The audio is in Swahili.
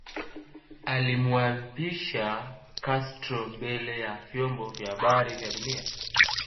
Alimuaibisha Castro mbele ya vyombo vya habari vya dunia